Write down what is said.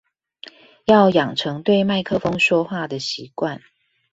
要養成對麥克風說話的習慣